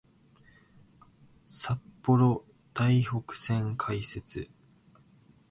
札幌・台北線開設